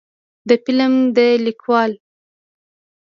د فلم د لیکوال